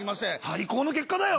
最高の結果だよ！